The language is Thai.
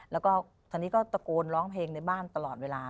แล้วก็ตอนนี้ก็ตะโกนร้องเพลงในบ้านตลอดเวลา